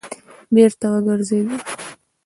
بېرته وګرځېد.